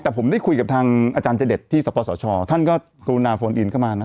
แต่ผมได้คุยกับทางอาจารย์เจดที่สปสชท่านก็กรุณาโฟนอินเข้ามานะ